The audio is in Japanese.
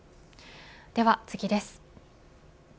では次です。